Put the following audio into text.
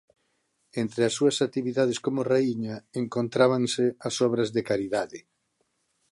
Entre as súas actividades como raíña encontrábanse as obras de caridade.